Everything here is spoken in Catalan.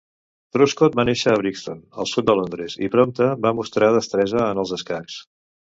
Truscott va nàixer a Brixton, al sud de Londres, i prompte va mostrar destresa en els escacs.